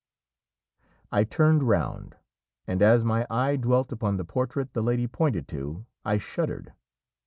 I turned round, and as my eye dwelt upon the portrait the lady pointed to, I shuddered.